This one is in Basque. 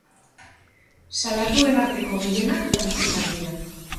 Salatuen arteko gehienak frantsesak dira.